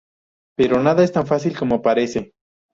Pero nada es tan fácil como parece.